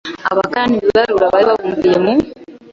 Abakarani b ibarura bari babumbiye mu